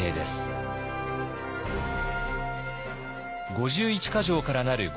５１か条からなる御